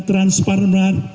transparansi yang seutuhnya